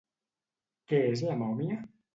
Què és la mòmia?